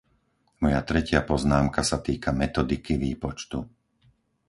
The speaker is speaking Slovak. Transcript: Moja tretia poznámka sa týka metodiky výpočtu.